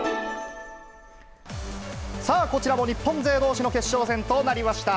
こちらも日本勢どうしの決勝戦となりました。